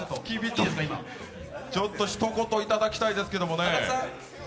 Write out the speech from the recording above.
ひと言、いただきたいですけどね。